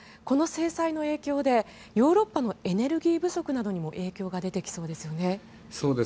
この制裁の影響でヨーロッパのエネルギー不足などにも影響が出てきそうですよね。